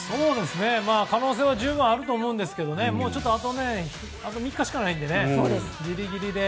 可能性は十分あると思うんですけどあと３日しかないのでギリギリで。